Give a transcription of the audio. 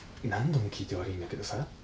何度も聞いて悪いんだけどさ